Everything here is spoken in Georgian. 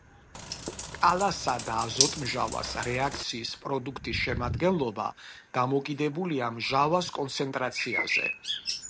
კალასა და აზოტმჟავას რეაქციის პროდუქტის შემადგენლობა დამოკიდებულია მჟავას კონცენტრაციაზე.